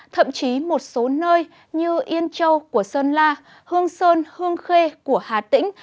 thậm chí một số nơi như yên châu của sơn la hương sơn hương khê của hà tĩnh